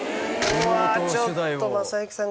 うわちょっと雅之さん